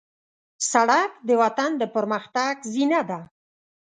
سړک د وطن د پرمختګ زینه ده.